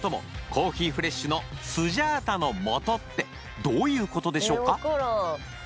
コーヒーフレッシュのスジャータのモトってどういうことでしょうか？